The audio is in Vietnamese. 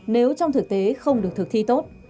nếu trong thực tế không được thực thi tốt